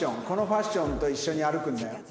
このファッションと一緒に歩くんだよ？